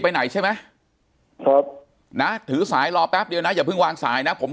ไปไหนใช่ไหมครับนะถือสายรอแป๊บเดียวนะอย่าเพิ่งวางสายนะผม